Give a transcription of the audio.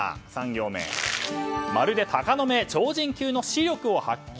３行目、まるでタカの目超人級の視力を発揮。